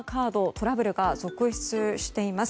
トラブルが続出しています。